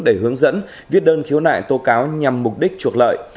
để hướng dẫn viết đơn khiếu nại tô cáo nhằm mục đích chuộc lợi